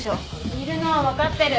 いるのは分かってる。